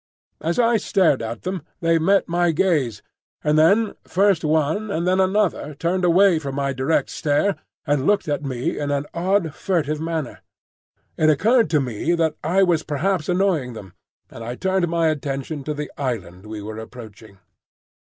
As I stared at them, they met my gaze; and then first one and then another turned away from my direct stare, and looked at me in an odd, furtive manner. It occurred to me that I was perhaps annoying them, and I turned my attention to the island we were approaching.